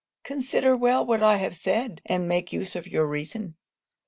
Consider well what I have said; and make use of your reason.